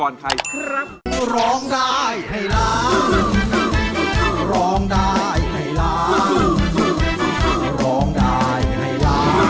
ร้องได้ให้ร้างครับ